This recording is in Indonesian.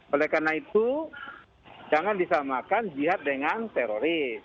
oleh karena itu jangan disamakan jihad dengan teroris